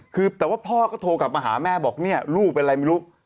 คือแต่ว่าพ่อก็โทรกลับมาหาแม่บอกเนี่ยลูกเป็นอะไรไม่รู้